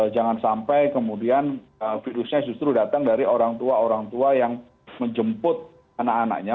jangan sampai kemudian virusnya justru datang dari orang tua orang tua yang menjemput anak anaknya